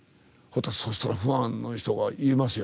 そうしたらファンの方が言いますよ。